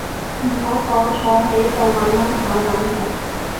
唔好講坐喺度慢慢炒蛋食